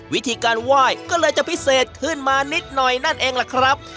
วิธีการไหว้ก็เลยจะพิเศษขึ้นมานิดหน่อยนั่นเองล่ะครับ